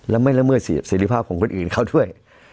และไม่ละเมิดสิทธิภาพของคนอื่นเขาด้วย